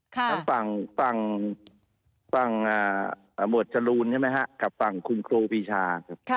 ทั้งฝั่งหมวดจรูนใช่ไหมฮะกับฝั่งคุณครูปีชา